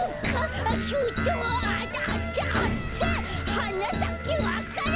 「はなさけわか蘭」